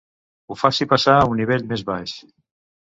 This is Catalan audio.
Ho faci passar a un nivell més baix.